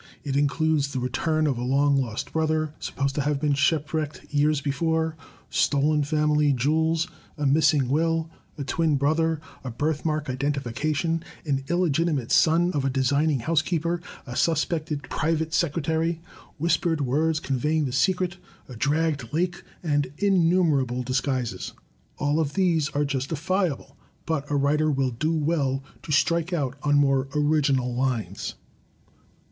It includes the return of a long lost brother, supposed to have been shipwrecked years before; stolen family jewels; a miss MORE DEVICES 203 ing will; a twin brother; a birthmark identification; an illegitimate son of a designing housekeeper; a suspected pri* vate secretary; whispered words conveying the secret; a dragged lake; and innumerable disguises. All of these are justifiable, but a writer will do well to strike out on more original lines.